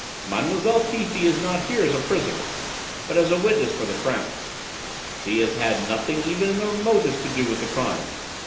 "Mademoiselle Fifi is not here as a prisoner, but as a witness for the Crown. She has had nothing even in the remotest to do with the crime.